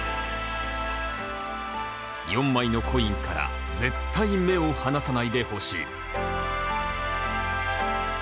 ４枚のコインから絶対目を離さないでほしい。